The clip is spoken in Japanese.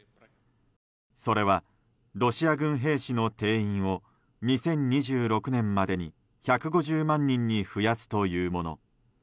それは、ロシア軍兵士の定員を２０２６年までに１５０万人に増やすというもの。